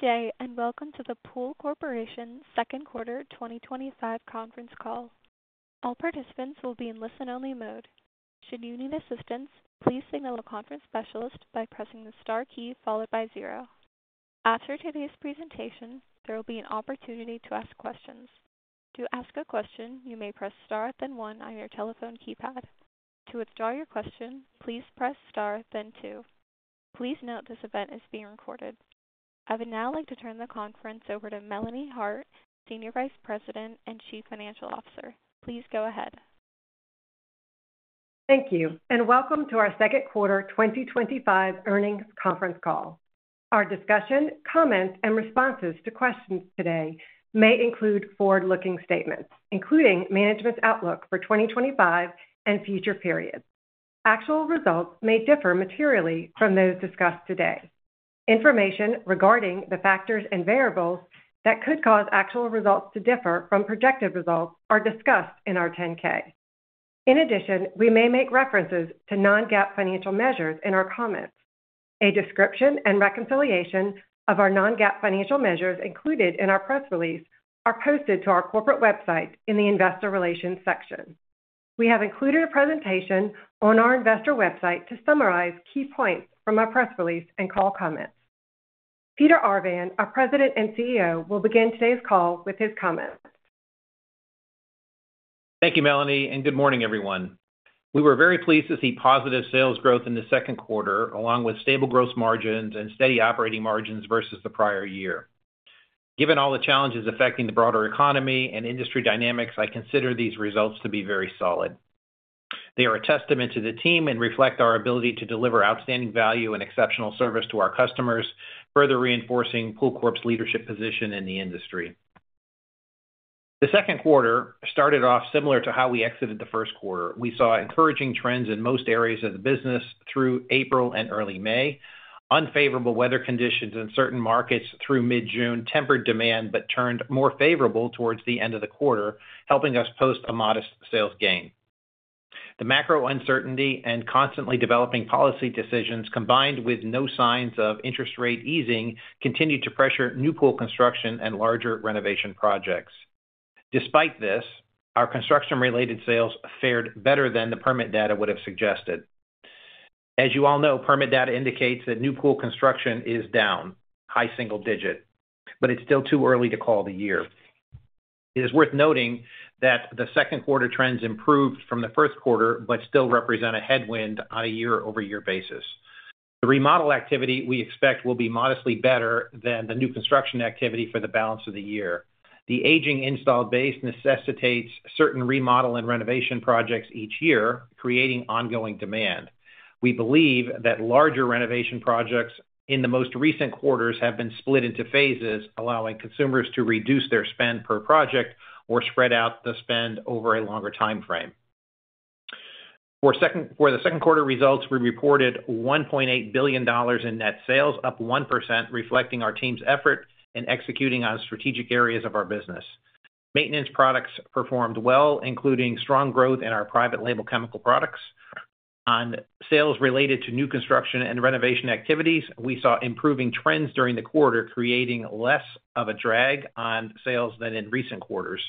Good day and welcome to the Pool Corporation Second Quarter 2025 conference call. All participants will be in listen-only mode. Should you need assistance, please signal a conference specialist by pressing the star key followed by zero. After today's presentation, there will be an opportunity to ask questions. To ask a question, you may press star then one on your telephone keypad. To withdraw your question, please press star then two. Please note this event is being recorded. I would now like to turn the conference over to Melanie Hart, Senior Vice President and Chief Financial Officer. Please go ahead. Thank you, and welcome to our Second Quarter 2025 earnings conference call. Our discussion, comments, and responses to questions today may include forward-looking statements, including management's outlook for 2025 and future periods. Actual results may differ materially from those discussed today. Information regarding the factors and variables that could cause actual results to differ from projected results are discussed in our 10-K. In addition, we may make references to non-GAAP financial measures in our comments. A description and reconciliation of our non-GAAP financial measures included in our press release are posted to our corporate website in the investor relations section. We have included a presentation on our investor website to summarize key points from our press release and call comments. Peter Arvan, our President and CEO, will begin today's call with his comments. Thank you, Melanie, and good morning, everyone. We were very pleased to see positive sales growth in the second quarter, along with stable gross margins and steady operating margins versus the prior year. Given all the challenges affecting the broader economy and industry dynamics, I consider these results to be very solid. They are a testament to the team and reflect our ability to deliver outstanding value and exceptional service to our customers, further reinforcing Pool Corporation's leadership position in the industry. The second quarter started off similar to how we exited the first quarter. We saw encouraging trends in most areas of the business through April and early May. Unfavorable weather conditions in certain markets through mid-June tempered demand but turned more favorable towards the end of the quarter, helping us post a modest sales gain. The macro uncertainty and constantly developing policy decisions, combined with no signs of interest rate easing, continued to pressure new pool construction and larger renovation projects. Despite this, our construction-related sales fared better than the permit data would have suggested. As you all know, permit data indicates that new pool construction is down, high single digit, but it's still too early to call the year. It is worth noting that the second quarter trends improved from the first quarter but still represent a headwind on a year-over-year basis. The remodel activity we expect will be modestly better than the new construction activity for the balance of the year. The aging installed base necessitates certain remodel and renovation projects each year, creating ongoing demand. We believe that larger renovation projects in the most recent quarters have been split into phases, allowing consumers to reduce their spend per project or spread out the spend over a longer time frame. For the second quarter results, we reported $1.8 billion in net sales, up 1%, reflecting our team's effort in executing on strategic areas of our business. Maintenance products performed well, including strong growth in our private label chemical products. On sales related to new construction and renovation activities, we saw improving trends during the quarter, creating less of a drag on sales than in recent quarters.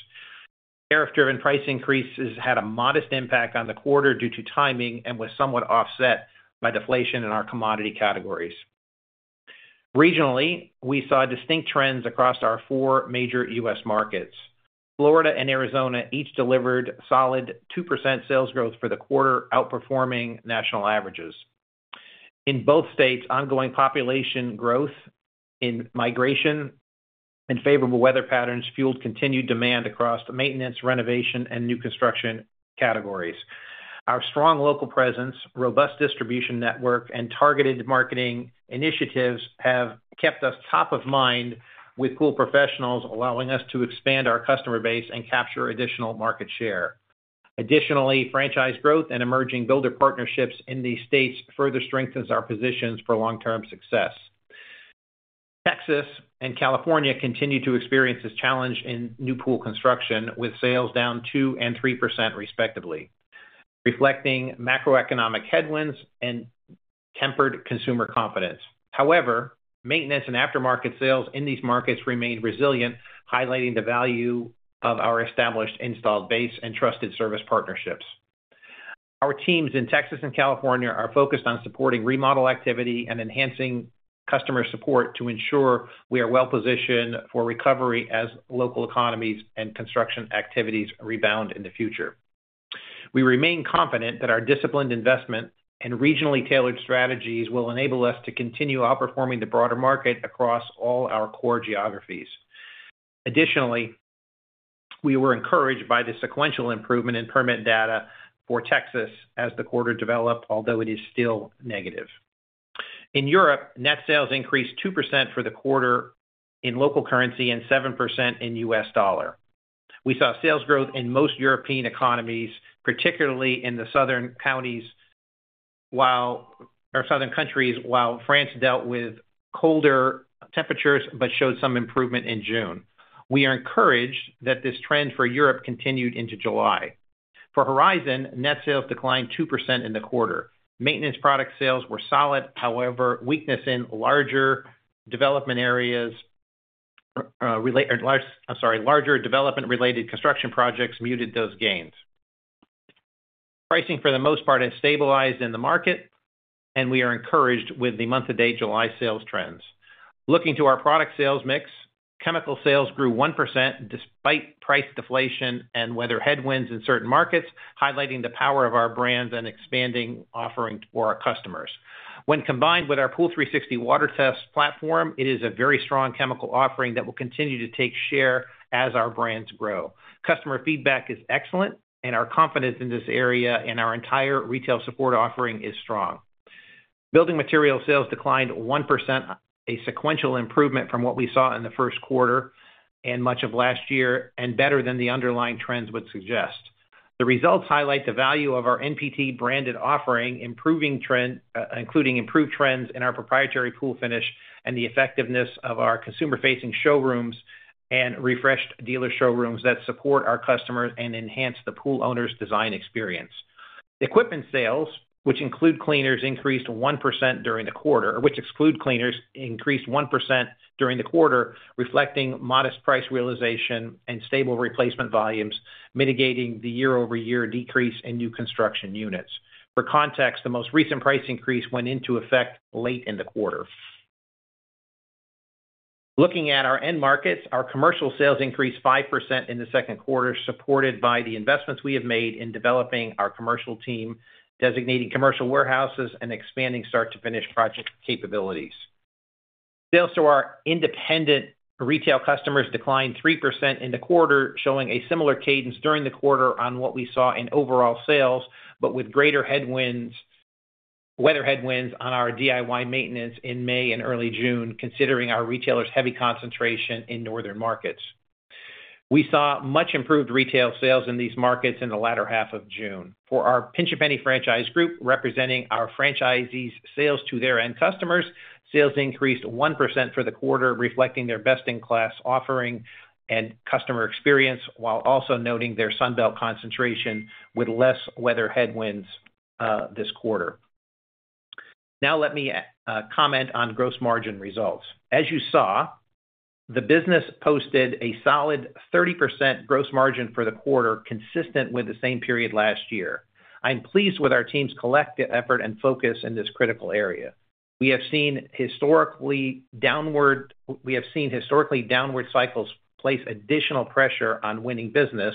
Tariff-driven price increases had a modest impact on the quarter due to timing and were somewhat offset by deflation in our commodity categories. Regionally, we saw distinct trends across our four major U.S. markets. Florida and Arizona each delivered solid 2% sales growth for the quarter, outperforming national averages. In both states, ongoing population growth, migration, and favorable weather patterns fueled continued demand across maintenance, renovation, and new construction categories. Our strong local presence, robust distribution network, and targeted marketing initiatives have kept us top of mind with pool professionals, allowing us to expand our customer base and capture additional market share. Additionally, franchise growth and emerging builder partnerships in these states further strengthen our positions for long-term success. Texas and California continue to experience a challenge in new pool construction, with sales down 2% and 3%, respectively, reflecting macroeconomic headwinds and tempered consumer confidence. However, maintenance and aftermarket sales in these markets remain resilient, highlighting the value of our established installed base and trusted service partnerships. Our teams in Texas and California are focused on supporting remodel activity and enhancing customer support to ensure we are well-positioned for recovery as local economies and construction activities rebound in the future. We remain confident that our disciplined investment and regionally tailored strategies will enable us to continue outperforming the broader market across all our core geographies. Additionally, we were encouraged by the sequential improvement in permit data for Texas as the quarter developed, although it is still negative. In Europe, net sales increased 2% for the quarter in local currency and 7% in USD. We saw sales growth in most European economies, particularly in the southern countries, while France dealt with colder temperatures but showed some improvement in June. We are encouraged that this trend for Europe continued into July. For Horizon, net sales declined 2% in the quarter. Maintenance product sales were solid; however, weakness in larger development-related construction projects muted those gains. Pricing, for the most part, has stabilized in the market, and we are encouraged with the month-to-date July sales trends. Looking to our product sales mix, chemical sales grew 1% despite price deflation and weather headwinds in certain markets, highlighting the power of our brands and expanding offering for our customers. When combined with our POOL360 water test platform, it is a very strong chemical offering that will continue to take share as our brands grow. Customer feedback is excellent, and our confidence in this area and our entire retail support offering is strong. Building material sales declined 1%, a sequential improvement from what we saw in the first quarter and much of last year, and better than the underlying trends would suggest. The results highlight the value of our NPT branded offering, including improved trends in our proprietary pool finish and the effectiveness of our consumer-facing showrooms and refreshed dealer showrooms that support our customers and enhance the pool owners' design experience. Equipment sales, which include cleaners, increased 1% during the quarter, which exclude cleaners, increased 1% during the quarter, reflecting modest price realization and stable replacement volumes, mitigating the year-over-year decrease in new construction units. For context, the most recent price increase went into effect late in the quarter. Looking at our end markets, our commercial sales increased 5% in the second quarter, supported by the investments we have made in developing our commercial team, designating commercial warehouses, and expanding start-to-finish project capabilities. Sales to our independent retail customers declined 3% in the quarter, showing a similar cadence during the quarter on what we saw in overall sales, but with greater weather headwinds on our DIY maintenance in May and early June, considering our retailers' heavy concentration in northern markets. We saw much improved retail sales in these markets in the latter half of June. For our Pinch A Penny franchise group, representing our franchisees' sales to their end customers, sales increased 1% for the quarter, reflecting their best-in-class offering and customer experience, while also noting their Sunbelt concentration with less weather headwinds this quarter. Now, let me comment on gross margin results. As you saw, the business posted a solid 30% gross margin for the quarter, consistent with the same period last year. I'm pleased with our team's collective effort and focus in this critical area. We have seen historically downward cycles place additional pressure on winning business.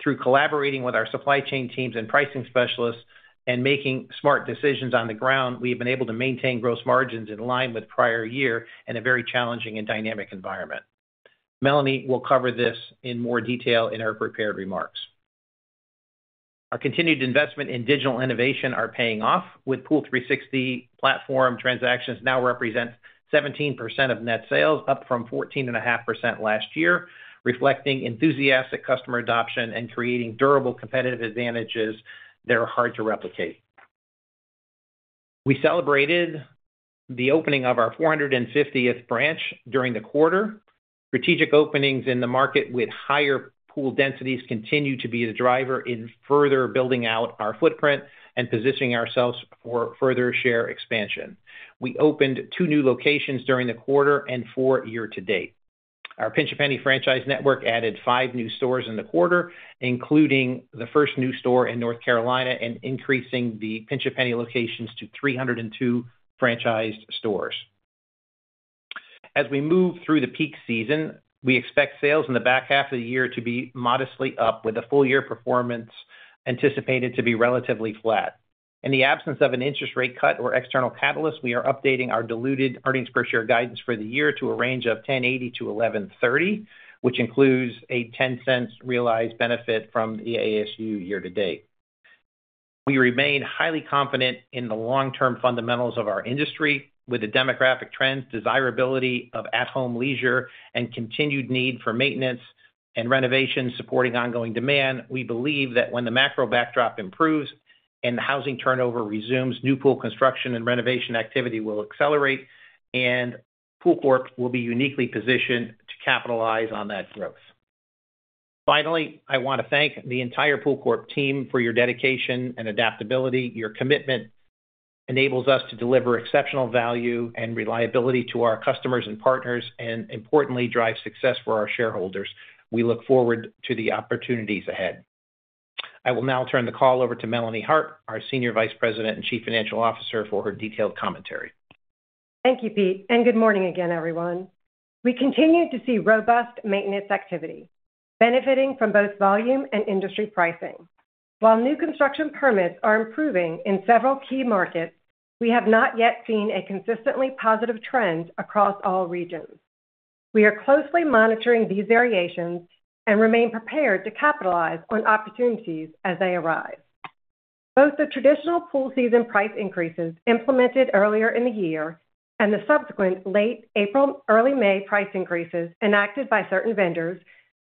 Through collaborating with our supply chain teams and pricing specialists and making smart decisions on the ground, we have been able to maintain gross margins in line with prior years in a very challenging and dynamic environment. Melanie will cover this in more detail in her prepared remarks. Our continued investment in digital innovation is paying off, with POOL360 platform transactions now representing 17% of net sales, up from 14.5% last year, reflecting enthusiastic customer adoption and creating durable competitive advantages that are hard to replicate. We celebrated the opening of our 450th branch during the quarter. Strategic openings in the market with higher pool densities continue to be the driver in further building out our footprint and positioning ourselves for further share expansion. We opened two new locations during the quarter and four year to date. Our Pinch A Penny franchise network added five new stores in the quarter, including the first new store in North Carolina and increasing the Pinch A Penny locations to 302 franchised stores. As we move through the peak season, we expect sales in the back half of the year to be modestly up, with a full-year performance anticipated to be relatively flat. In the absence of an interest rate cut or external catalyst, we are updating our diluted earnings per share guidance for the year to a range of $10.80-$11.30, which includes a $0.10 realized benefit from the ASU year to date. We remain highly confident in the long-term fundamentals of our industry. With the demographic trends, desirability of at-home leisure, and continued need for maintenance and renovation supporting ongoing demand, we believe that when the macro backdrop improves and housing turnover resumes, new pool construction and renovation activity will accelerate, and Pool Corporation will be uniquely positioned to capitalize on that growth. Finally, I want to thank the entire Pool Corporation team for your dedication and adaptability. Your commitment enables us to deliver exceptional value and reliability to our customers and partners, and importantly, drives success for our shareholders. We look forward to the opportunities ahead. I will now turn the call over to Melanie Hart, our Senior Vice President and Chief Financial Officer, for her detailed commentary. Thank you, Pete. Good morning again, everyone. We continue to see robust maintenance activity, benefiting from both volume and industry pricing. While new construction permits are improving in several key markets, we have not yet seen a consistently positive trend across all regions. We are closely monitoring these variations and remain prepared to capitalize on opportunities as they arise. Both the traditional pool season price increases implemented earlier in the year and the subsequent late April/early May price increases enacted by certain vendors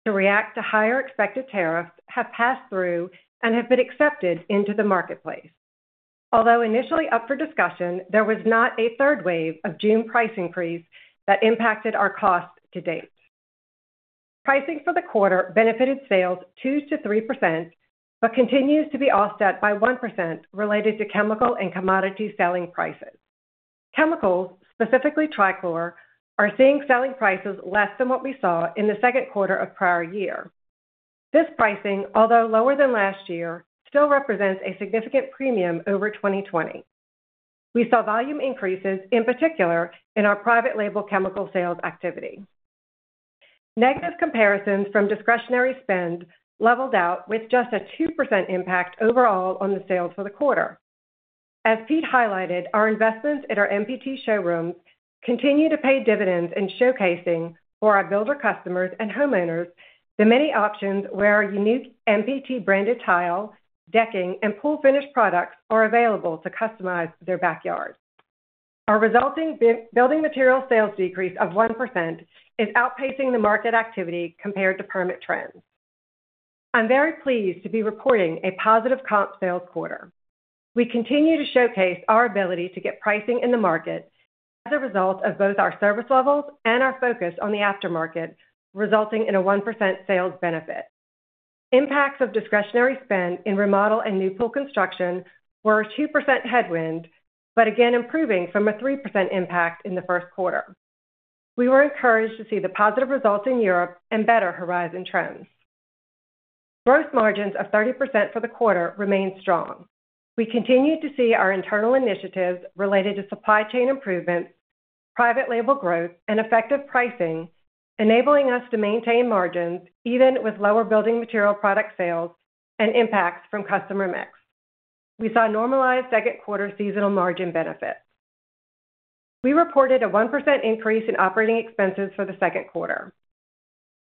to react to higher expected tariffs have passed through and have been accepted into the marketplace. Although initially up for discussion, there was not a third wave of June price increase that impacted our costs to date. Pricing for the quarter benefited sales 2%-3% but continues to be offset by 1% related to chemical and commodity selling prices. Chemicals, specifically Tricor, are seeing selling prices less than what we saw in the second quarter of prior year. This pricing, although lower than last year, still represents a significant premium over 2020. We saw volume increases, in particular, in our private label chemical sales activity. Negative comparisons from discretionary spend leveled out with just a 2% impact overall on the sales for the quarter. As Pete highlighted, our investments in our NPT showrooms continue to pay dividends in showcasing for our builder customers and homeowners the many options where our unique NPT branded tile, decking, and pool finish products are available to customize their backyard. Our resulting building material sales decrease of 1% is outpacing the market activity compared to permit trends. I'm very pleased to be reporting a positive comp sales quarter. We continue to showcase our ability to get pricing in the market as a result of both our service levels and our focus on the aftermarket, resulting in a 1% sales benefit. Impacts of discretionary spend in remodel and new pool construction were a 2% headwind but again improving from a 3% impact in the first quarter. We were encouraged to see the positive results in Europe and better Horizon trends. Gross margins of 30% for the quarter remained strong. We continue to see our internal initiatives related to supply chain improvements, private label growth, and effective pricing, enabling us to maintain margins even with lower building material product sales and impacts from customer mix. We saw normalized second quarter seasonal margin benefits. We reported a 1% increase in operating expenses for the second quarter.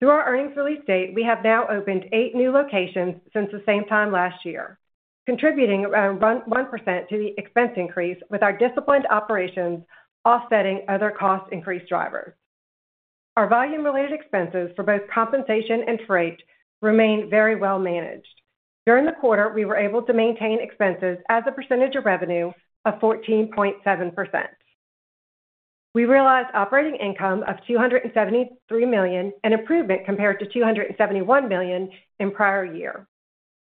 Through our earnings release date, we have now opened eight new locations since the same time last year, contributing around 1% to the expense increase with our disciplined operations offsetting other cost increase drivers. Our volume-related expenses for both compensation and freight remain very well managed. During the quarter, we were able to maintain expenses as a percentage of revenue of 14.7%. We realized operating income of $273 million and improvement compared to $271 million in prior year.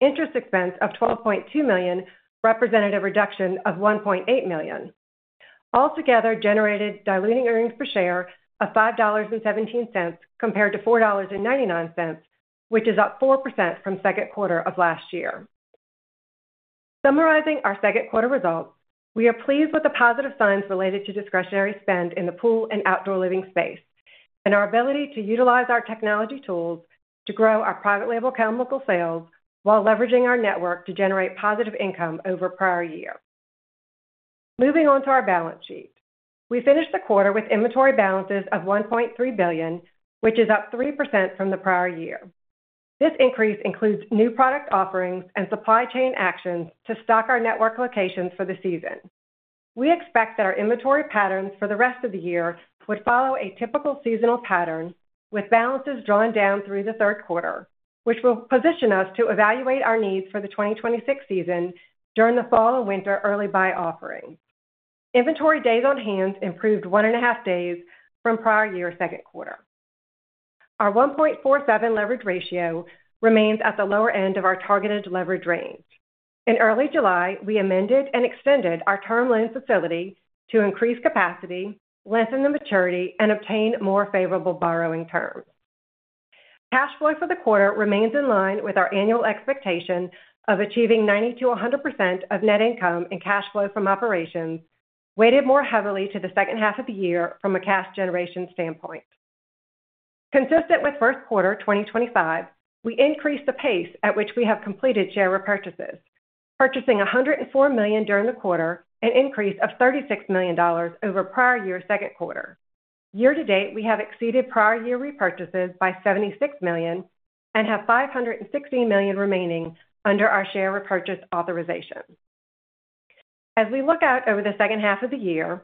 Interest expense of $12.2 million represented a reduction of $1.8 million. Altogether, it generated diluted earnings per share of $5.17 compared to $4.99, which is up 4% from the second quarter of last year. Summarizing our second quarter results, we are pleased with the positive signs related to discretionary spend in the pool and outdoor living space and our ability to utilize our technology tools to grow our private label chemical sales while leveraging our network to generate positive income over prior year. Moving on to our balance sheet, we finished the quarter with inventory balances of $1.3 billion, which is up 3% from the prior year. This increase includes new product offerings and supply chain actions to stock our network locations for the season. We expect that our inventory patterns for the rest of the year would follow a typical seasonal pattern with balances drawn down through the third quarter, which will position us to evaluate our needs for the 2026 season during the fall and winter early buy offering. Inventory days on hand improved one and a half days from prior year's second quarter. Our 1.47 leverage ratio remains at the lower end of our targeted leverage range. In early July, we amended and extended our term loan facility to increase capacity, lengthen the maturity, and obtain more favorable borrowing terms. Cash flow for the quarter remains in line with our annual expectation of achieving 90%-100% of net income and cash flow from operations, weighted more heavily to the second half of the year from a cash generation standpoint. Consistent with first quarter 2025, we increased the pace at which we have completed share repurchases, purchasing $104 million during the quarter, an increase of $36 million over prior year's second quarter. Year to date, we have exceeded prior year repurchases by $76 million and have $516 million remaining under our share repurchase authorization. As we look out over the second half of the year,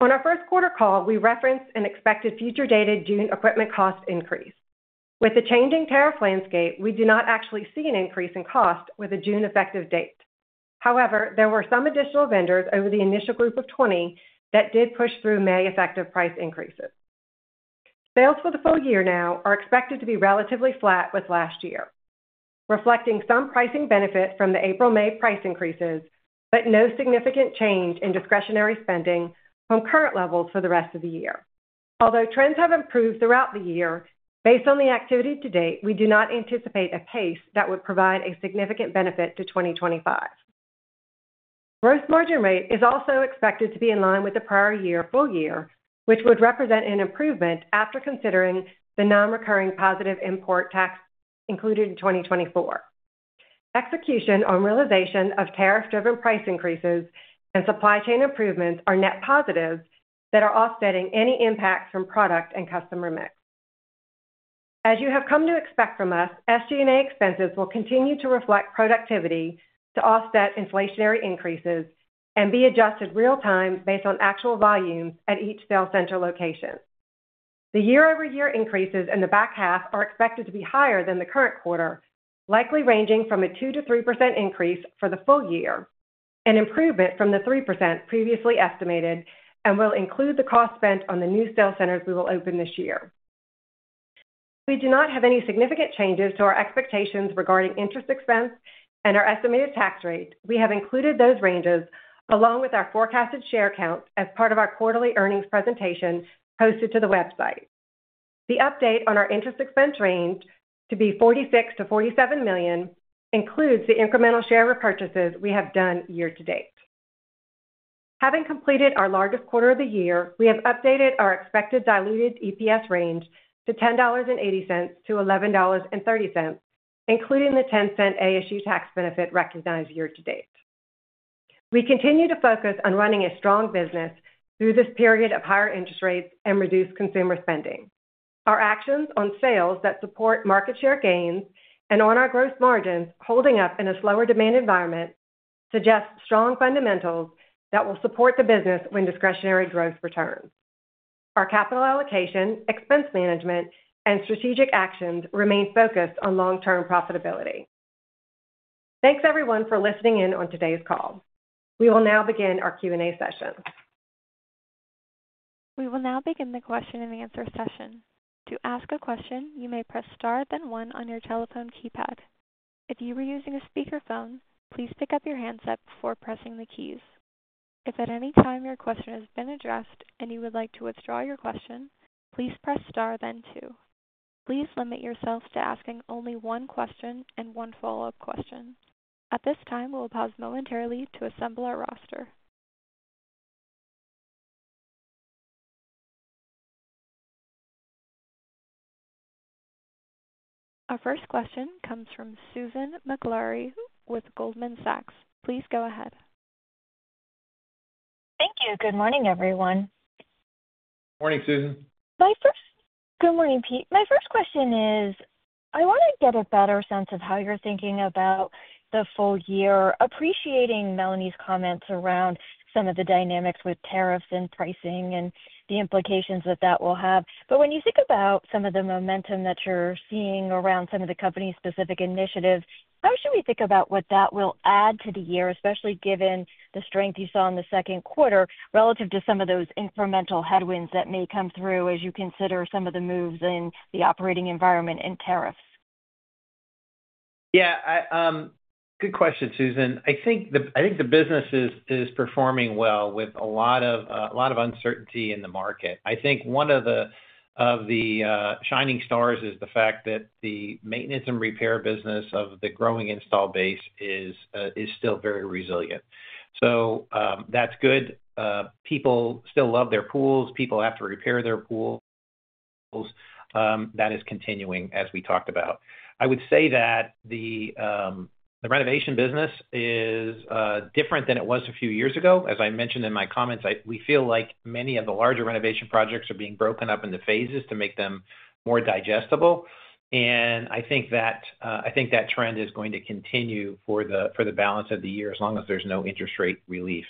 on our first quarter call, we referenced an expected future-dated June equipment cost increase. With the changing tariff landscape, we do not actually see an increase in cost with a June effective date. However, there were some additional vendors over the initial group of 20 that did push through May effective price increases. Sales for the full year now are expected to be relatively flat with last year, reflecting some pricing benefit from the April/May price increases, but no significant change in discretionary spending from current levels for the rest of the year. Although trends have improved throughout the year, based on the activity to date, we do not anticipate a pace that would provide a significant benefit to 2025. Gross margin rate is also expected to be in line with the prior year full year, which would represent an improvement after considering the non-recurring positive import tax included in 2024. Execution on realization of tariff-driven price increases and supply chain improvements are net positives that are offsetting any impact from product and customer mix. As you have come to expect from us, SG&A expenses will continue to reflect productivity to offset inflationary increases and be adjusted real-time based on actual volumes at each sale center location. The year-over-year increases in the back half are expected to be higher than the current quarter, likely ranging from a 2%-3% increase for the full year, an improvement from the 3% previously estimated, and will include the cost spent on the new sale centers we will open this year. As we do not have any significant changes to our expectations regarding interest expense and our estimated tax rate, we have included those ranges along with our forecasted share count as part of our quarterly earnings presentation posted to the website. The update on our interest expense range to be $46 million-$47 million includes the incremental share repurchases we have done year to date. Having completed our largest quarter of the year, we have updated our expected diluted EPS range to $10.80-$11.30, including the $0.10 ASU tax benefit recognized year to date. We continue to focus on running a strong business through this period of higher interest rates and reduced consumer spending. Our actions on sales that support market share gains and on our gross margins holding up in a slower demand environment suggest strong fundamentals that will support the business when discretionary growth returns. Our capital allocation, expense management, and strategic actions remain focused on long-term profitability. Thanks, everyone, for listening in on today's call. We will now begin our Q&A session. We will now begin the question-and-answer session. To ask a question, you may press star then one on your telephone keypad. If you are using a speakerphone, please pick up your handset before pressing the keys. If at any time your question has been addressed and you would like to withdraw your question, please press star then two. Please limit yourself to asking only one question and one follow-up question. At this time, we will pause momentarily to assemble our roster. Our first question comes from Susan Maklari with Goldman Sachs. Please go ahead. Thank you. Good morning, everyone. Morning, Susan. Good morning, Pete. My first question is, I want to get a better sense of how you're thinking about the full year, appreciating Melanie's comments around some of the dynamics with tariffs and pricing and the implications that that will have. When you think about some of the momentum that you're seeing around some of the company-specific initiatives, how should we think about what that will add to the year, especially given the strength you saw in the second quarter relative to some of those incremental headwinds that may come through as you consider some of the moves in the operating environment and tariffs? Yeah. Good question, Susan. I think the business is performing well with a lot of uncertainty in the market. I think one of the shining stars is the fact that the maintenance and repair business of the growing install base is still very resilient. That is good. People still love their pools. People have to repair their pools. That is continuing, as we talked about. I would say that the renovation business is different than it was a few years ago. As I mentioned in my comments, we feel like many of the larger renovation projects are being broken up into phases to make them more digestible. I think that trend is going to continue for the balance of the year as long as there is no interest rate relief.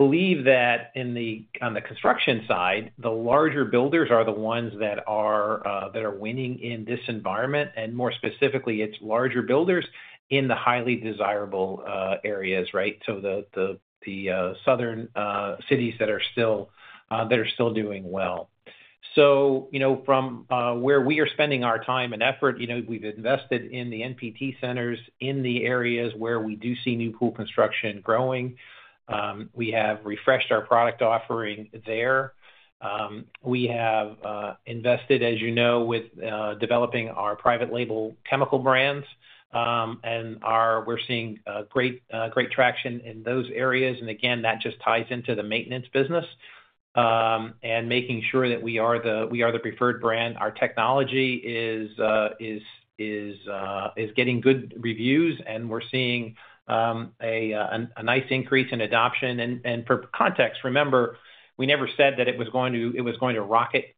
I believe that on the construction side, the larger builders are the ones that are winning in this environment, and more specifically, it is larger builders in the highly desirable areas, right? The southern cities that are still doing well. From where we are spending our time and effort, we have invested in the NPT centers in the areas where we do see new pool construction growing. We have refreshed our product offering there. We have invested, as you know, with developing our private label chemical brands. We are seeing great traction in those areas. Again, that just ties into the maintenance business and making sure that we are the preferred brand. Our technology is getting good reviews, and we are seeing a nice increase in adoption. For context, remember, we never said that it was going to rocket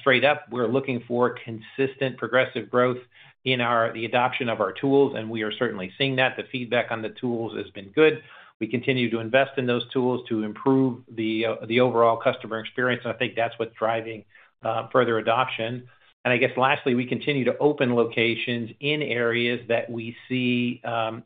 straight up. We are looking for consistent progressive growth in the adoption of our tools, and we are certainly seeing that. The feedback on the tools has been good. We continue to invest in those tools to improve the overall customer experience. I think that is what is driving further adoption. Lastly, we continue to open locations in areas that we see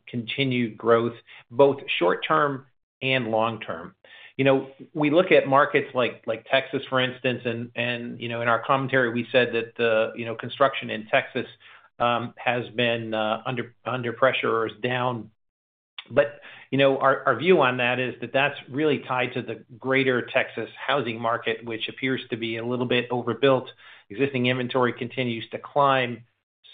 continued growth, both short-term and long-term. We look at markets like Texas, for instance, and in our commentary, we said that the construction in Texas has been under pressure or is down. Our view on that is that that is really tied to the greater Texas housing market, which appears to be a little bit overbuilt. Existing inventory continues to climb.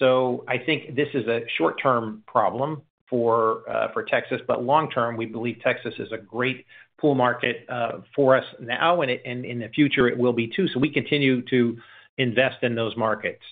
I think this is a short-term problem for Texas, but long-term, we believe Texas is a great pool market for us now, and in the future, it will be too. We continue to invest in those markets.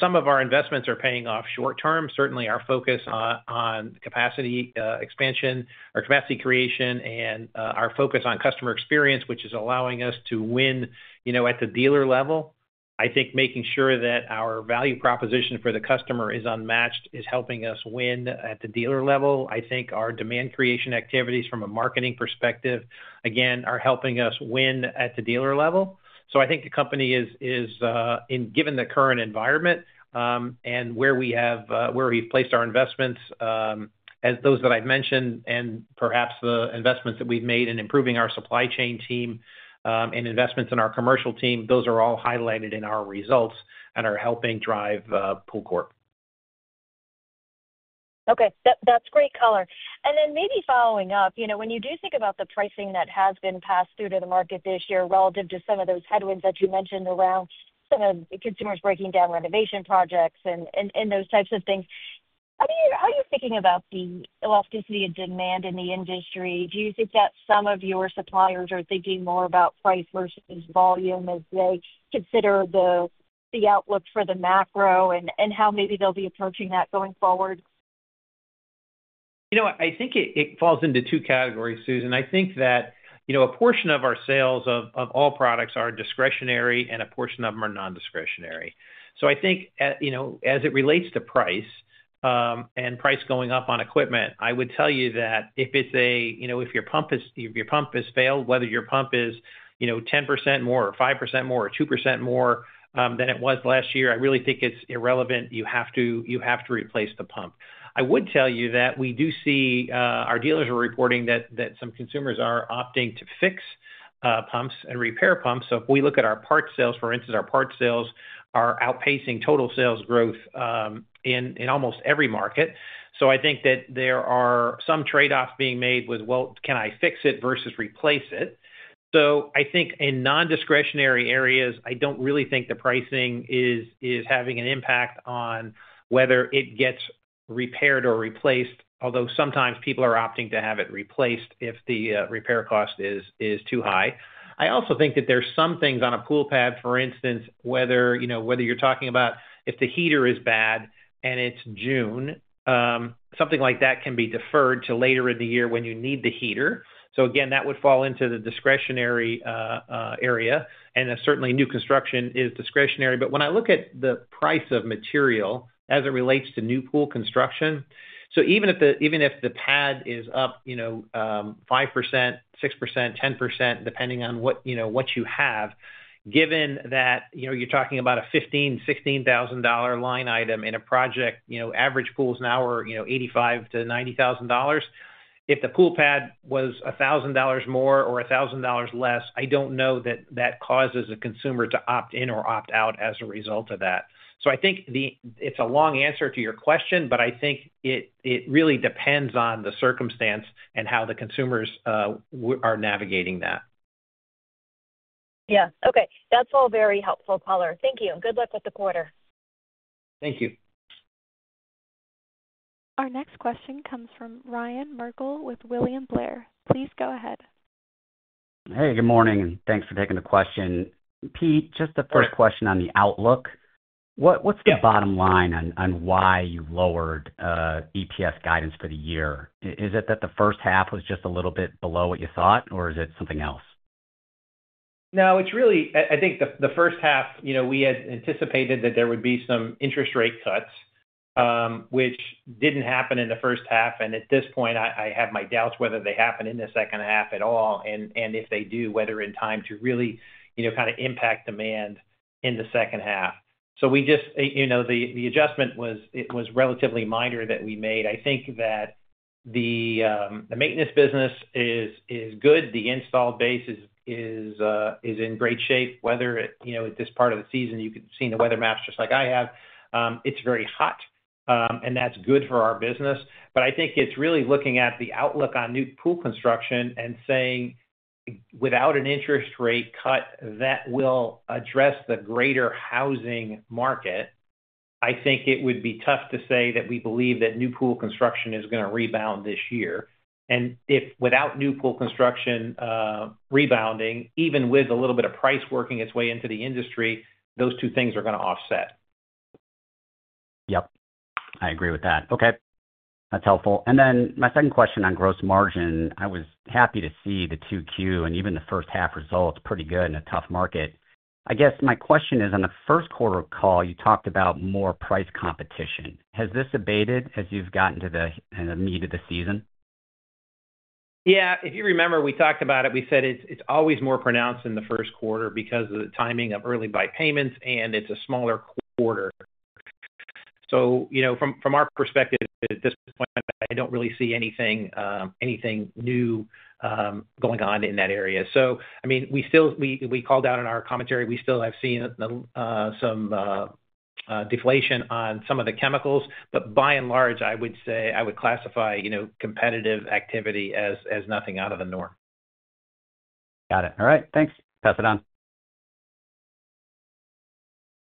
Some of our investments are paying off short-term. Certainly, our focus on capacity expansion, our capacity creation, and our focus on customer experience, which is allowing us to win at the dealer level, I think making sure that our value proposition for the customer is unmatched is helping us win at the dealer level. I think our demand creation activities from a marketing perspective, again, are helping us win at the dealer level. I think the company is, given the current environment and where we've placed our investments, those that I've mentioned, and perhaps the investments that we've made in improving our supply chain team and investments in our commercial team, those are all highlighted in our results and are helping drive Pool Corporation. Okay. That's great color. Then maybe following up, when you do think about the pricing that has been passed through to the market this year relative to some of those headwinds that you mentioned around some of the consumers breaking down renovation projects and those types of things, how are you thinking about the elasticity of demand in the industry? Do you think that some of your suppliers are thinking more about price versus volume as they consider the outlook for the macro and how maybe they'll be approaching that going forward? You know what? I think it falls into two categories, Susan. I think that a portion of our sales of all products are discretionary, and a portion of them are non-discretionary. I think as it relates to price, and price going up on equipment, I would tell you that if it's a—if your pump has failed, whether your pump is 10% more or 5% more or 2% more than it was last year, I really think it's irrelevant. You have to replace the pump. I would tell you that we do see our dealers are reporting that some consumers are opting to fix pumps and repair pumps. If we look at our parts sales, for instance, our parts sales are outpacing total sales growth in almost every market. I think that there are some trade-offs being made with, "Well, can I fix it versus replace it?" I think in non-discretionary areas, I don't really think the pricing is having an impact on whether it gets repaired or replaced, although sometimes people are opting to have it replaced if the repair cost is too high. I also think that there are some things on a pool pad, for instance, whether you're talking about if the heater is bad and it's June, something like that can be deferred to later in the year when you need the heater. That would fall into the discretionary area. Certainly, new construction is discretionary. When I look at the price of material as it relates to new pool construction, even if the pad is up 5%, 6%, 10%, depending on what you have, given that you're talking about a $15,000-$16,000 line item in a project, average pools now are $85,000-$90,000. If the pool pad was $1,000 more or $1,000 less, I don't know that that causes a consumer to opt in or opt out as a result of that. I think it's a long answer to your question, but I think it really depends on the circumstance and how the consumers are navigating that. Yeah. Okay. That's all very helpful, Collin. Thank you. Good luck with the quarter. Thank you. Our next question comes from Ryan Merkel with William Blair. Please go ahead. Hey, good morning, and thanks for taking the question. Pete, just the first question on the outlook. What's the bottom line on why you lowered EPS guidance for the year? Is it that the first half was just a little bit below what you thought, or is it something else? No, it's really—I think the first half, we had anticipated that there would be some interest rate cuts, which did not happen in the first half. At this point, I have my doubts whether they happen in the second half at all, and if they do, whether in time to really kind of impact demand in the second half. The adjustment was relatively minor that we made. I think that the maintenance business is good. The install base is in great shape. Whether at this part of the season, you can see in the weather maps just like I have, it is very hot, and that is good for our business. I think it is really looking at the outlook on new pool construction and saying without an interest rate cut that will address the greater housing market, I think it would be tough to say that we believe that new pool construction is going to rebound this year. Without new pool construction rebounding, even with a little bit of price working its way into the industry, those two things are going to offset. Yep. I agree with that. Okay. That's helpful. Then my second question on gross margin, I was happy to see the 2Q and even the first half results pretty good in a tough market. I guess my question is, on the first quarter call, you talked about more price competition. Has this abated as you've gotten to the meat of the season? Yeah. If you remember, we talked about it. We said it's always more pronounced in the first quarter because of the timing of early buy payments, and it's a smaller quarter. From our perspective at this point, I don't really see anything new going on in that area. I mean, we called out in our commentary, we still have seen some deflation on some of the chemicals. By and large, I would classify competitive activity as nothing out of the norm. Got it. All right. Thanks. Pass it on.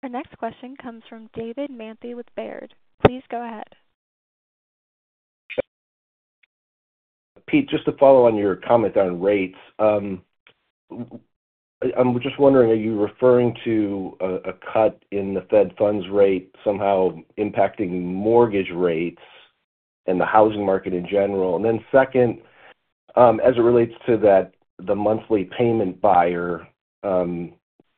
Our next question comes from David Manthey with Baird. Please go ahead. Pete, just to follow on your comment on rates. I'm just wondering, are you referring to a cut in the Fed funds rate somehow impacting mortgage rates and the housing market in general? Then second, as it relates to the monthly payment buyer,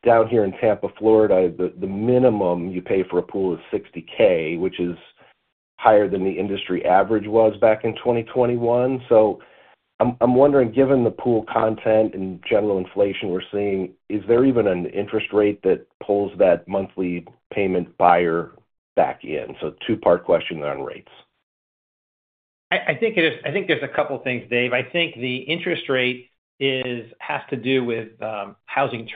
down here in Tampa, Florida, the minimum you pay for a pool is $60,000, which is higher than the industry average was back in 2021. So, I'm wondering, given the pool content and general inflation we're seeing, is there even an interest rate that pulls that monthly payment buyer back in? Two-part question on rates. I think there's a couple of things, Dave. I think the interest rate has to do with housing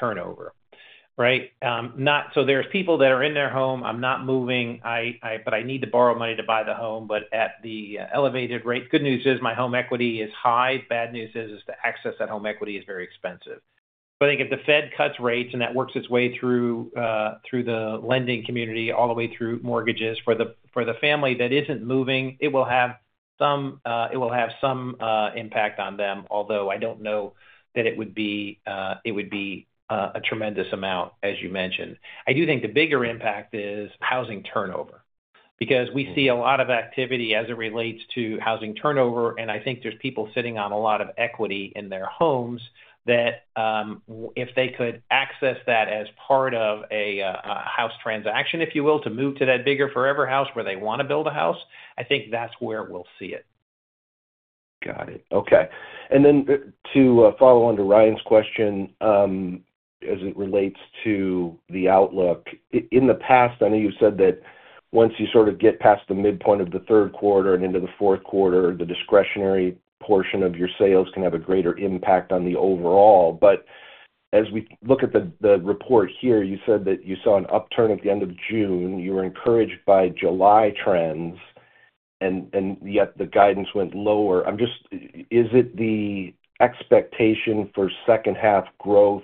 turnover, right? So there's people that are in their home. I'm not moving, but I need to borrow money to buy the home. At the elevated rate, the good news is my home equity is high. The bad news is the access to that home equity is very expensive. I think if the Fed cuts rates and that works its way through the lending community, all the way through mortgages for the family that isn't moving, it will have some impact on them, although I don't know that it would be a tremendous amount, as you mentioned. I do think the bigger impact is housing turnover. We see a lot of activity as it relates to housing turnover, and I think there's people sitting on a lot of equity in their homes that, if they could access that as part of a house transaction, if you will, to move to that bigger forever house where they want to build a house, I think that's where we'll see it. Got it. Okay. To follow on to Ryan's question, as it relates to the outlook. In the past, I know you said that once you sort of get past the midpoint of the third quarter and into the fourth quarter, the discretionary portion of your sales can have a greater impact on the overall. As we look at the report here, you said that you saw an upturn at the end of June. You were encouraged by July trends, and yet the guidance went lower. Is it the expectation for second-half growth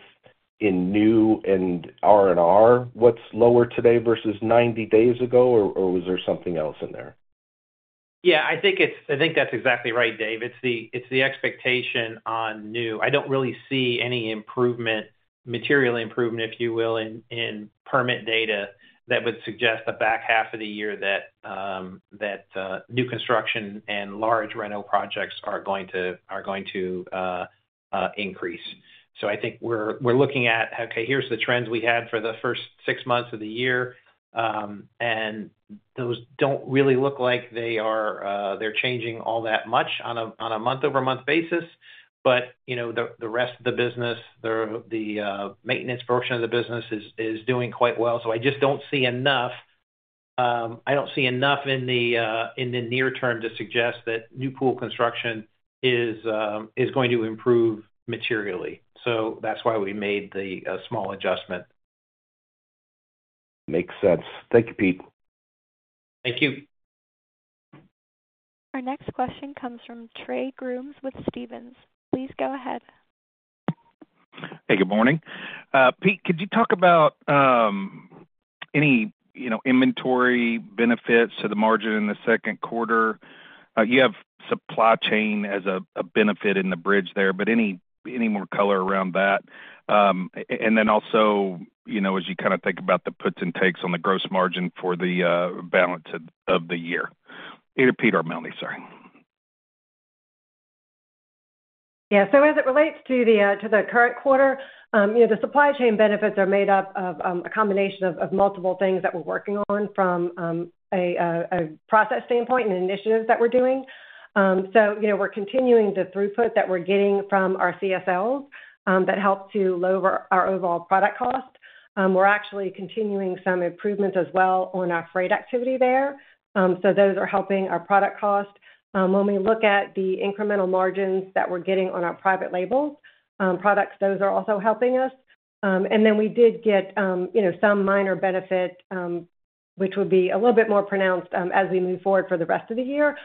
in new and R&R? What's lower today versus 90 days ago, or was there something else in there? Yeah. I think that's exactly right, Dave. It's the expectation on new. I don't really see any material improvement, if you will, in permit data that would suggest the back half of the year that new construction and large rental projects are going to increase. I think we're looking at, okay, here's the trends we had for the first six months of the year. Those don't really look like they're changing all that much on a month-over-month basis. The rest of the business, the maintenance portion of the business, is doing quite well. I just don't see enough. I don't see enough in the near term to suggest that new pool construction is going to improve materially. That's why we made the small adjustment. Makes sense. Thank you, Pete. Thank you. Our next question comes from Trey Grooms with Stephens. Please go ahead. Hey, good morning. Pete, could you talk about any inventory benefits to the margin in the second quarter? You have supply chain as a benefit in the bridge there, but any more color around that? Also, as you kind of think about the puts and takes on the gross margin for the balance of the year? Either Pete or Melanie, sorry. Yeah. As it relates to the current quarter, the supply chain benefits are made up of a combination of multiple things that we're working on from a process standpoint and initiatives that we're doing. We're continuing the throughput that we're getting from our CSLs that help to lower our overall product cost. We're actually continuing some improvements as well on our freight activity there. Those are helping our product cost. When we look at the incremental margins that we're getting on our private label products, those are also helping us. We did get some minor benefit, which would be a little bit more pronounced as we move forward for the rest of the year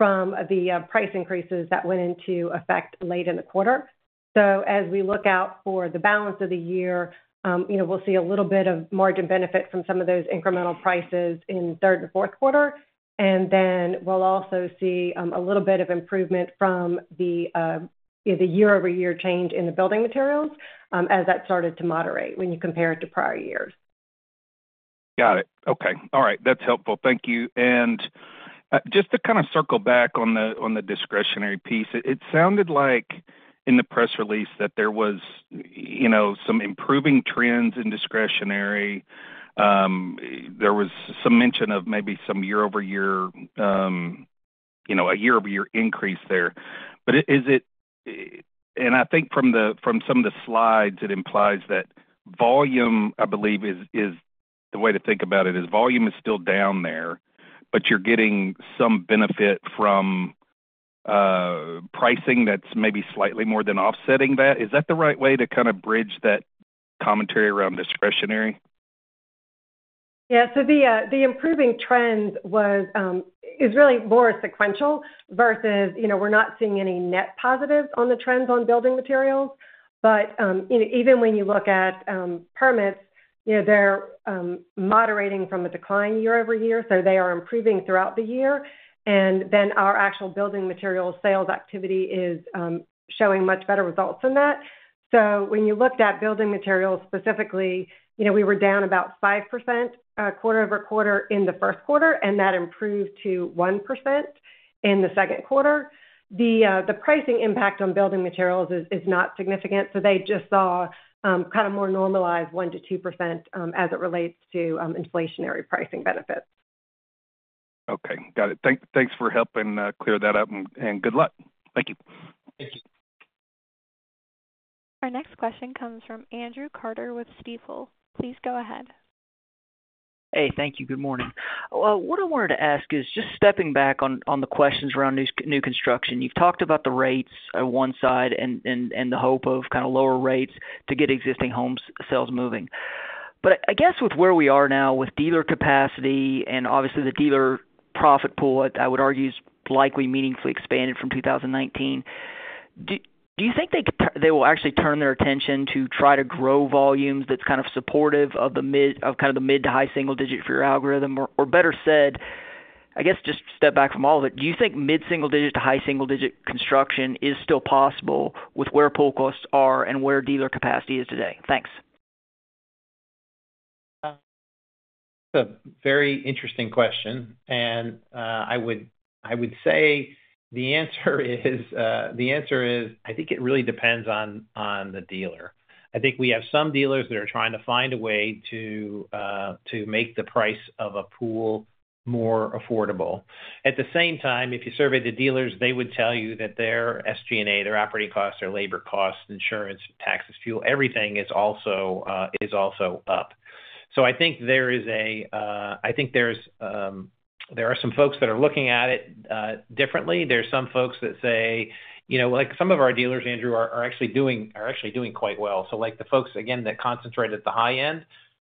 from the price increases that went into effect late in the quarter. As we look out for the balance of the year, we'll see a little bit of margin benefit from some of those incremental prices in third and fourth quarter. We'll also see a little bit of improvement from the year-over-year change in the building materials as that started to moderate when you compare it to prior years. Got it. Okay. All right. That's helpful. Thank you. Just to kind of circle back on the discretionary piece, it sounded like in the press release that there was some improving trends in discretionary. There was some mention of maybe some year-over-year, a year-over-year increase there. I think from some of the slides, it implies that volume, I believe, is the way to think about it, is volume is still down there, but you're getting some benefit from pricing that's maybe slightly more than offsetting that. Is that the right way to kind of bridge that commentary around discretionary? Yeah. The improving trend is really more sequential versus we're not seeing any net positives on the trends on building materials. Even when you look at permits, they're moderating from a decline year-over-year. They are improving throughout the year. Our actual building materials sales activity is showing much better results than that. When you looked at building materials specifically, we were down about 5% quarter-over-quarter in the first quarter, and that improved to 1% in the second quarter. The pricing impact on building materials is not significant. They just saw kind of more normalized 1%-2% as it relates to inflationary pricing benefits. Okay. Got it. Thanks for helping clear that up, and good luck. Thank you. Thank you. Our next question comes from Andrew Carter with Stifel. Please go ahead. Hey, thank you. Good morning. What I wanted to ask is just stepping back on the questions around new construction. You've talked about the rates on one side and the hope of kind of lower rates to get existing home sales moving. I guess with where we are now with dealer capacity and obviously the dealer profit pool, I would argue is likely meaningfully expanded from 2019. Do you think they will actually turn their attention to try to grow volumes that's kind of supportive of kind of the mid to high single-digit for your algorithm? Or better said, I guess just step back from all of it. Do you think mid-single-digit to high single-digit construction is still possible with where pool costs are and where dealer capacity is today? Thanks. That's a very interesting question. I would say the answer is, I think it really depends on the dealer. I think we have some dealers that are trying to find a way to make the price of a pool more affordable. At the same time, if you survey the dealers, they would tell you that their SG&A, their operating costs, their labor costs, insurance, taxes, fuel, everything is also up. I think there are some folks that are looking at it differently. There are some folks that say some of our dealers, Andrew, are actually doing quite well. The folks, again, that concentrate at the high end,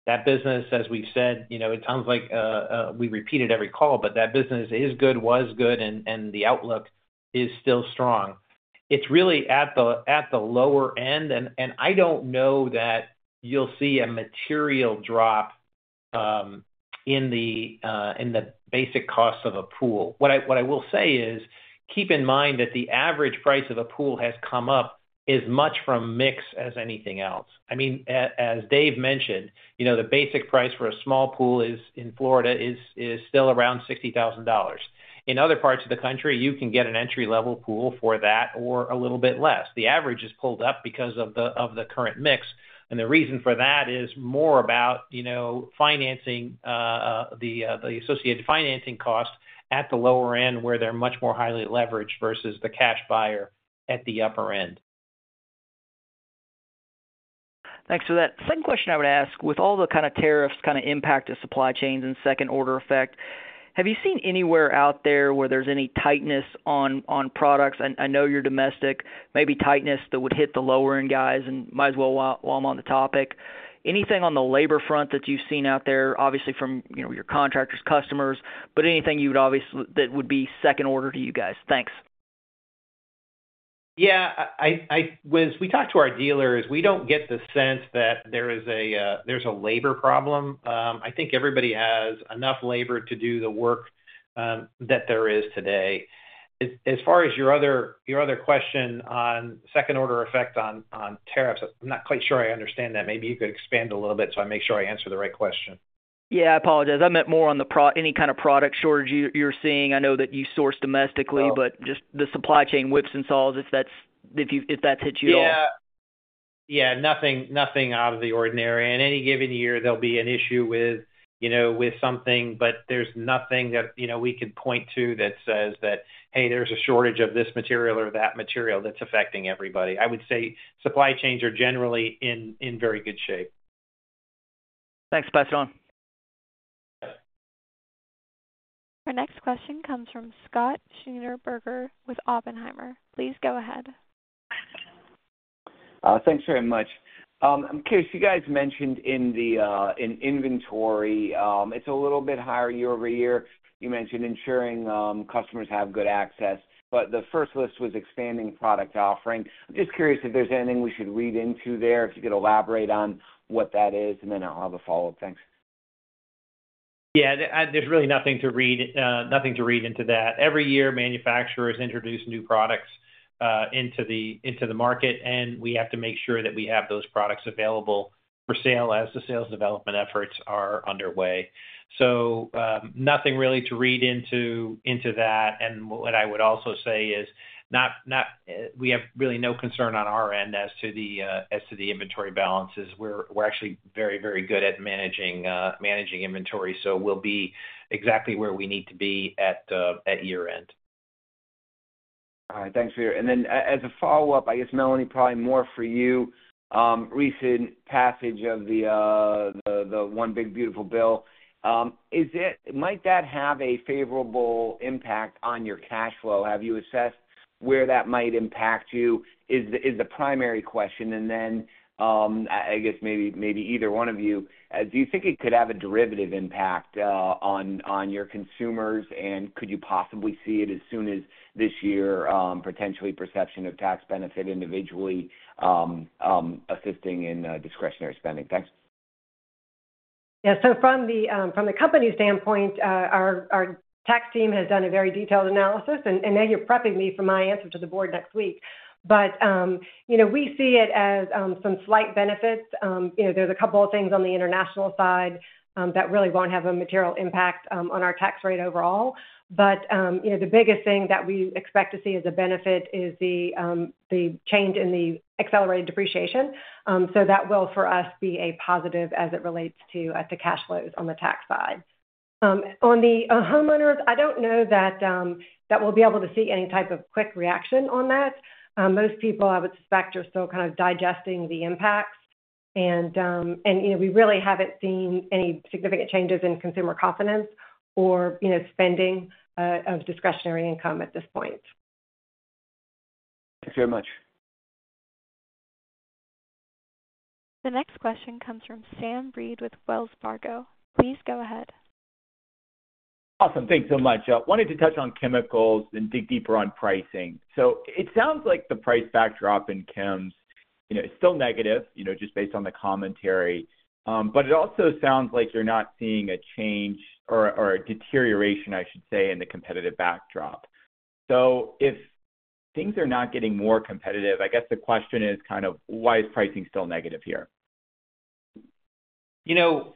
that business, as we've said, it sounds like we repeat it every call, but that business is good, was good, and the outlook is still strong. It's really at the lower end, and I don't know that you'll see a material drop in the basic cost of a pool. What I will say is keep in mind that the average price of a pool has come up as much from mix as anything else. I mean, as Dave mentioned, the basic price for a small pool in Florida is still around $60,000. In other parts of the country, you can get an entry-level pool for that or a little bit less. The average is pulled up because of the current mix. The reason for that is more about financing. The associated financing cost at the lower end where they're much more highly leveraged versus the cash buyer at the upper end. Thanks for that. Second question I would ask, with all the kind of tariffs kind of impacting supply chains and second-order effect, have you seen anywhere out there where there's any tightness on products? I know your domestic, maybe tightness that would hit the lower-end guys and might as well, while I'm on the topic, anything on the labor front that you've seen out there, obviously from your contractors, customers, but anything you would obviously that would be second-order to you guys? Thanks. Yeah. As we talk to our dealers, we do not get the sense that there is a labor problem. I think everybody has enough labor to do the work that there is today. As far as your other question on second-order effect on tariffs, I am not quite sure I understand that. Maybe you could expand a little bit so I make sure I answer the right question. Yeah. I apologize. I meant more on any kind of product shortage you're seeing. I know that you source domestically, but just the supply chain whips and saws if that's hit you at all. Yeah. Yeah. Nothing out of the ordinary. In any given year, there'll be an issue with something, but there's nothing that we could point to that says that, "Hey, there's a shortage of this material or that material that's affecting everybody." I would say supply chains are generally in very good shape. Thanks, Peter. Yes. Our next question comes from Scott Schneeberger with Oppenheimer. Please go ahead. Thanks very much. I'm curious. You guys mentioned in the inventory, it's a little bit higher year-over-year. You mentioned ensuring customers have good access. The first list was expanding product offering. I'm just curious if there's anything we should read into there, if you could elaborate on what that is, and then I'll have a follow-up. Thanks. Yeah. There is really nothing to read into that. Every year, manufacturers introduce new products into the market, and we have to make sure that we have those products available for sale as the sales development efforts are underway. Nothing really to read into that. What I would also say is we have really no concern on our end as to the inventory balances. We are actually very, very good at managing inventory, so we will be exactly where we need to be at year-end. All right. Thanks, Peter. As a follow-up, I guess, Melanie, probably more for you. Recent passage of the One Big Beautiful Bill, might that have a favorable impact on your cash flow? Have you assessed where that might impact you? Is the primary question. I guess maybe either one of you, do you think it could have a derivative impact on your consumers, and could you possibly see it as soon as this year, potentially perception of tax benefit individually assisting in discretionary spending? Thanks. Yeah. From the company standpoint, our tax team has done a very detailed analysis, and now you're prepping me for my answer to the board next week. We see it as some slight benefits. There are a couple of things on the international side that really will not have a material impact on our tax rate overall. The biggest thing that we expect to see as a benefit is the change in the accelerated depreciation. That will, for us, be a positive as it relates to cash flows on the tax side. On the homeowners, I do not know that we will be able to see any type of quick reaction on that. Most people, I would suspect, are still kind of digesting the impacts. We really have not seen any significant changes in consumer confidence or spending of discretionary income at this point. Thanks very much. The next question comes from Sam Reed with Wells Fargo. Please go ahead. Awesome. Thanks so much. I wanted to touch on chemicals and dig deeper on pricing. It sounds like the price backdrop in chems is still negative, just based on the commentary. It also sounds like you're not seeing a change or a deterioration, I should say, in the competitive backdrop. If things are not getting more competitive, I guess the question is kind of why is pricing still negative here? Sam,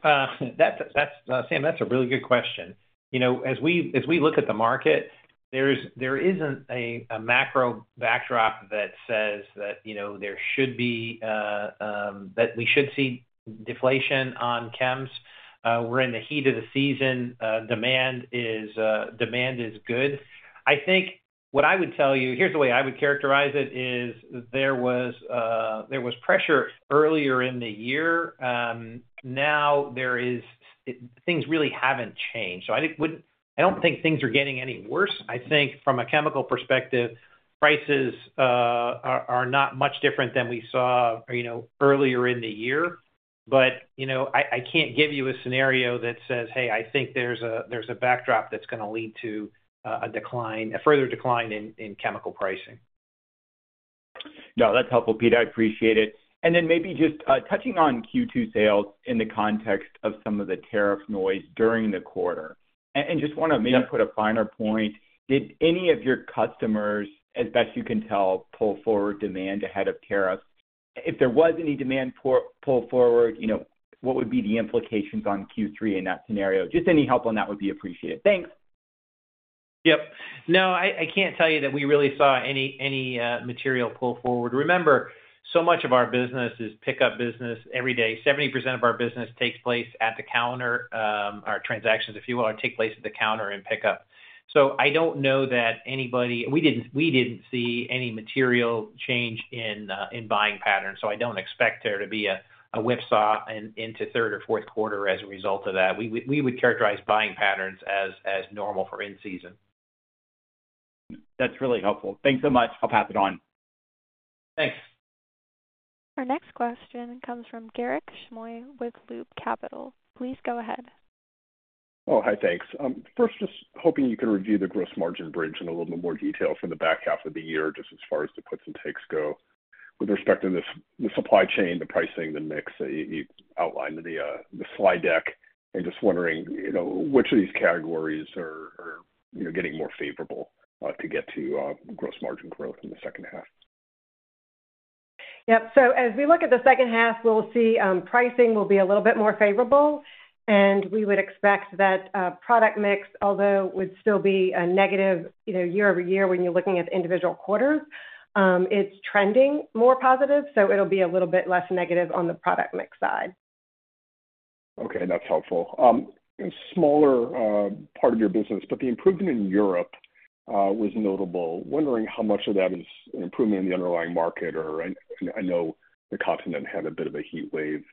that's a really good question. As we look at the market, there isn't a macro backdrop that says that there should be, that we should see deflation on chems. We're in the heat of the season. Demand is good. I think what I would tell you, here's the way I would characterize it, is there was pressure earlier in the year. Now, things really haven't changed. I don't think things are getting any worse. I think from a chemical perspective, prices are not much different than we saw earlier in the year. I can't give you a scenario that says, "Hey, I think there's a backdrop that's going to lead to a further decline in chemical pricing. No, that's helpful, Pete. I appreciate it. Maybe just touching on Q2 sales in the context of some of the tariff noise during the quarter. I just want to maybe put a finer point. Did any of your customers, as best you can tell, pull forward demand ahead of tariffs? If there was any demand pull forward, what would be the implications on Q3 in that scenario? Just any help on that would be appreciated. Thanks. Yep. No, I can't tell you that we really saw any material pull forward. Remember, so much of our business is pickup business every day. 70% of our business takes place at the counter. Our transactions, if you will, take place at the counter and pick up. I don't know that anybody—we didn't see any material change in buying patterns. I don't expect there to be a whipsaw into third or fourth quarter as a result of that. We would characterize buying patterns as normal for in-season. That's really helpful. Thanks so much. I'll pass it on. Thanks. Our next question comes from Garik Shmois with Loop Capital. Please go ahead. Oh, hi, thanks. First, just hoping you can review the gross margin bridge in a little bit more detail for the back half of the year, just as far as the puts and takes go with respect to the supply chain, the pricing, the mix that you outlined in the slide deck. Just wondering which of these categories are getting more favorable to get to gross margin growth in the second half. Yep. As we look at the second half, we'll see pricing will be a little bit more favorable. We would expect that product mix, although it would still be a negative year-over-year when you're looking at the individual quarters, is trending more positive. It'll be a little bit less negative on the product mix side. Okay. That's helpful. A smaller part of your business, but the improvement in Europe was notable. Wondering how much of that is an improvement in the underlying market, or I know the continent had a bit of a heat wave,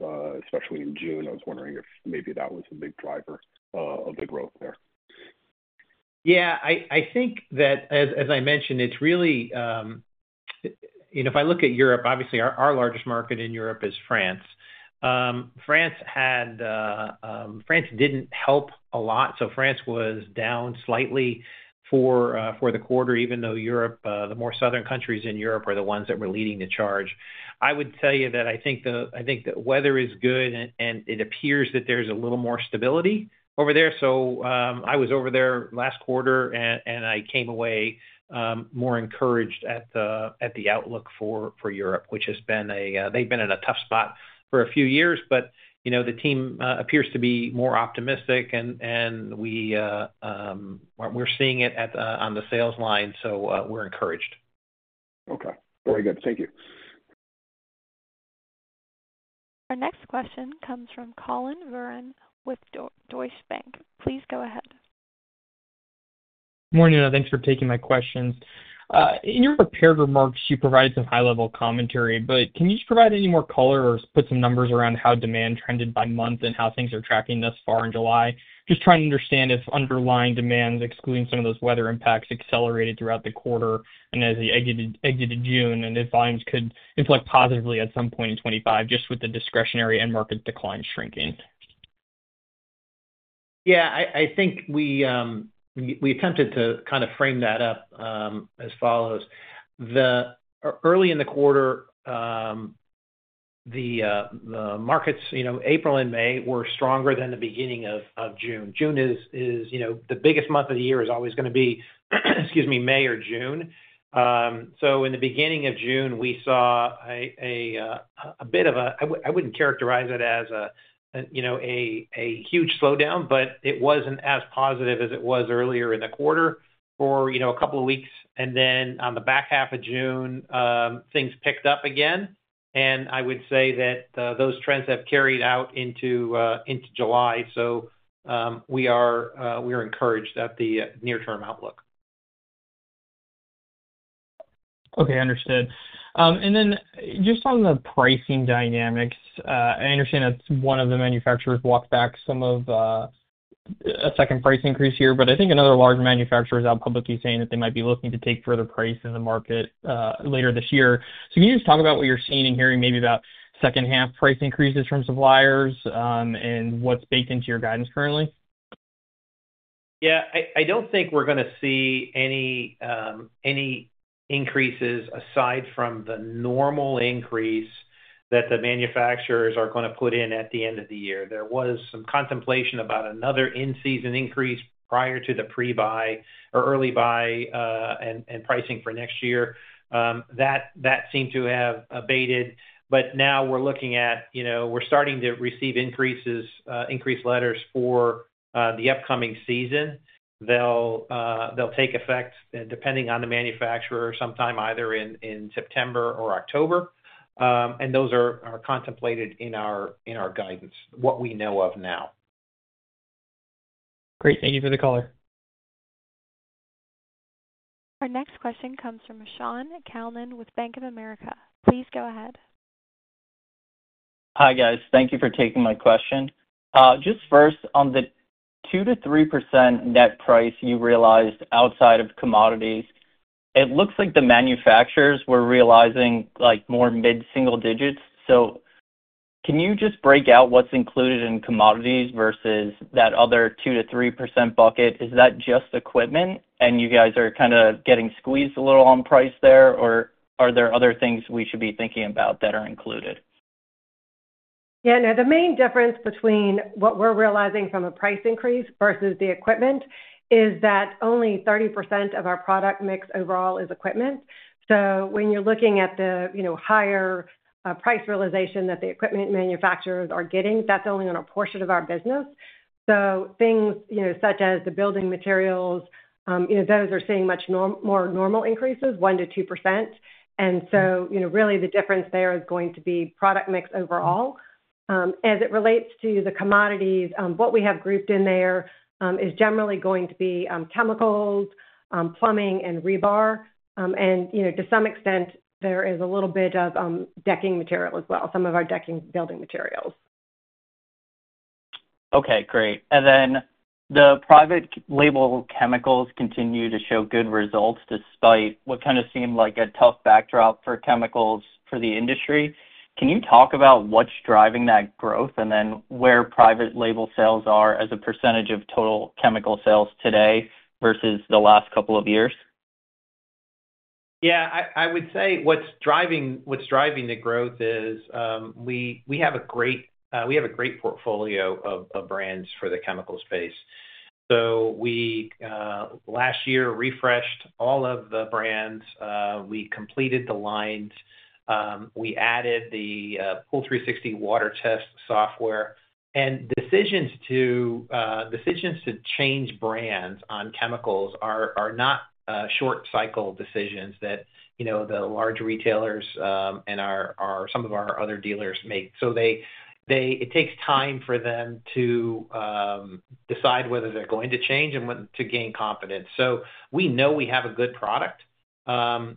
especially in June. I was wondering if maybe that was a big driver of the growth there. Yeah. I think that, as I mentioned, it's really— If I look at Europe, obviously our largest market in Europe is France. France did not help a lot. France was down slightly for the quarter, even though the more southern countries in Europe are the ones that were leading the charge. I would tell you that I think the weather is good, and it appears that there is a little more stability over there. I was over there last quarter, and I came away more encouraged at the outlook for Europe, which has been a— they have been in a tough spot for a few years, but the team appears to be more optimistic, and we are seeing it on the sales line. We are encouraged. Okay. Very good. Thank you. Our next question comes from Collin Verron with Deutsche Bank. Please go ahead. Good morning. Thanks for taking my questions. In your prepared remarks, you provided some high-level commentary, but can you just provide any more color or put some numbers around how demand trended by month and how things are tracking thus far in July? Just trying to understand if underlying demand, excluding some of those weather impacts, accelerated throughout the quarter and as we exited June and if volumes could inflect positively at some point in 2025 just with the discretionary and market decline shrinking. Yeah. I think we attempted to kind of frame that up as follows. Early in the quarter, the markets, April and May, were stronger than the beginning of June. June is the biggest month of the year, is always going to be, excuse me, May or June. In the beginning of June, we saw a bit of a—I would not characterize it as a huge slowdown, but it was not as positive as it was earlier in the quarter for a couple of weeks. In the back half of June, things picked up again. I would say that those trends have carried out into July. We are encouraged at the near-term outlook. Okay. Understood. And then just on the pricing dynamics, I understand that one of the manufacturers walked back some of a second price increase here, but I think another large manufacturer is out publicly saying that they might be looking to take further price in the market later this year. Can you just talk about what you're seeing and hearing maybe about second-half price increases from suppliers and what's baked into your guidance currently? Yeah. I don't think we're going to see any increases aside from the normal increase that the manufacturers are going to put in at the end of the year. There was some contemplation about another in-season increase prior to the pre-buy or early buy and pricing for next year. That seemed to have abated. Now we're looking at—we're starting to receive increases, increase letters for the upcoming season. They'll take effect depending on the manufacturer sometime either in September or October. Those are contemplated in our guidance, what we know of now. Great. Thank you for the caller. Our next question comes from Shaun Calnan with Bank of America. Please go ahead. Hi, guys. Thank you for taking my question. Just first, on the 2-3% net price you realized outside of commodities, it looks like the manufacturers were realizing more mid-single digits. So. Can you just break out what's included in commodities versus that other 2-3% bucket? Is that just equipment, and you guys are kind of getting squeezed a little on price there, or are there other things we should be thinking about that are included? Yeah. No, the main difference between what we're realizing from a price increase versus the equipment is that only 30% of our product mix overall is equipment. When you're looking at the higher price realization that the equipment manufacturers are getting, that's only on a portion of our business. Things such as the building materials, those are seeing much more normal increases, 1-2%. Really the difference there is going to be product mix overall. As it relates to the commodities, what we have grouped in there is generally going to be chemicals, plumbing, and rebar. To some extent, there is a little bit of decking material as well, some of our decking building materials. Okay. Great. The private label chemicals continue to show good results despite what kind of seemed like a tough backdrop for chemicals for the industry. Can you talk about what's driving that growth and where private label sales are as a percentage of total chemical sales today versus the last couple of years? Yeah. I would say what's driving the growth is we have a great portfolio of brands for the chemical space. Last year refreshed all of the brands. We completed the lines. We added the POOL360 water test software. Decisions to change brands on chemicals are not short-cycle decisions that the large retailers and some of our other dealers make. It takes time for them to decide whether they're going to change and to gain confidence. We know we have a good product.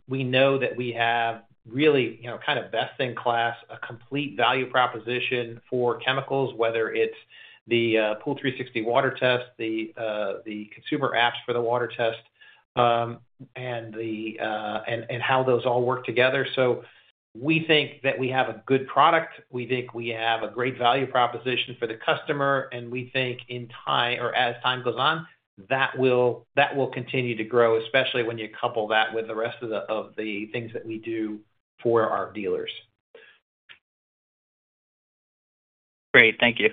We know that we have really kind of best-in-class, a complete value proposition for chemicals, whether it's the POOL360 water test, the consumer apps for the water test. How those all work together. We think that we have a good product. We think we have a great value proposition for the customer. We think as time goes on, that will continue to grow, especially when you couple that with the rest of the things that we do for our dealers. Great. Thank you.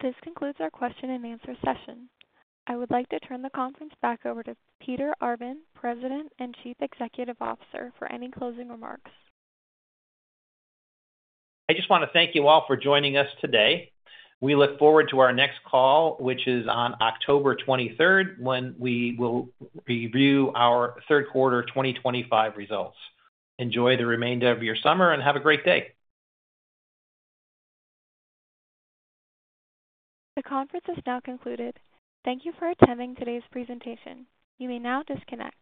This concludes our question-and-answer session. I would like to turn the conference back over to Peter D. Arvan, President and Chief Executive Officer, for any closing remarks. I just want to thank you all for joining us today. We look forward to our next call, which is on October 23, when we will review our third quarter 2025 results. Enjoy the remainder of your summer and have a great day. The conference is now concluded. Thank you for attending today's presentation. You may now disconnect.